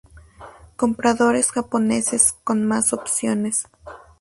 Compradores japoneses con más opciones.